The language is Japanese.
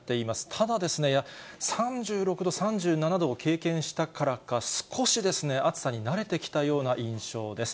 ただ、３６度、３７度を経験したからか、少しですね、暑さに慣れてきたような印象です。